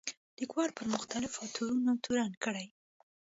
لیکوال په مختلفو تورونو تورن کړي.